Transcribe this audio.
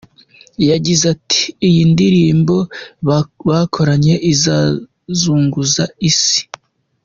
Yagize ati :”Iyi ndirimbo bakoranye izazunguza isi”.